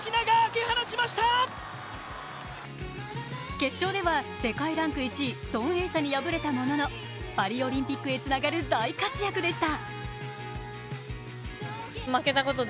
決勝では、世界ランク１位、孫穎莎に敗れたもののパリオリンピックへつながる大活躍でした。